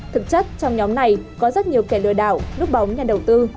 thực chất trong nhóm này có rất nhiều kẻ lừa đảo núp bóng nhà đầu tư